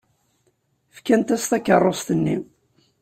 Fkant-as takeṛṛust-nni.